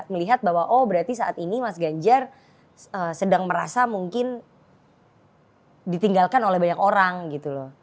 melihat bahwa oh berarti saat ini mas ganjar sedang merasa mungkin ditinggalkan oleh banyak orang gitu loh